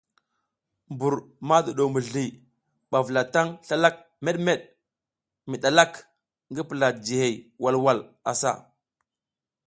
Mbur ma ɗuɗo mizli ɓa vulataŋ slalak meɗmeɗ mi ɗalak ngi pula jijihey walwal asa.